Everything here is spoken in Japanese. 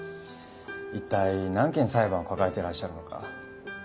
一体何件裁判を抱えてらっしゃるのか。